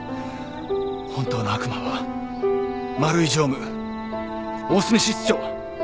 本当の悪魔は丸井常務大隅室長。